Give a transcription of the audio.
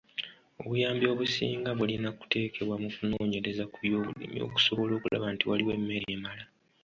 Obuyambi obusinga bulina kuteekebwa mu kunoonyereza ku byobulima okusobola okulaba nti waliwo emmere emala.